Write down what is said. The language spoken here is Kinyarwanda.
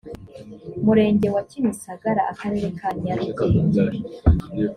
murenge wa kimisagara akarere ka nyarugenge